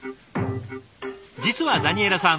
実はダニエラさん